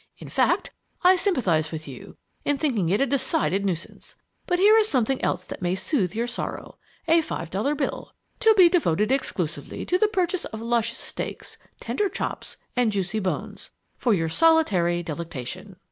In fact, I sympathize with you in thinking it a decided nuisance! But here is something else that may soothe your sorrow a five dollar bill, to be devoted exclusively to the purchase of luscious steaks, tender chops, and juicy bones for your solitary delectation!"